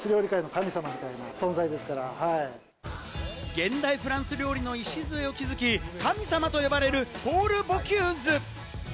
現代フランス料理の礎を築き、神様と呼ばれるポール・ボキューズ。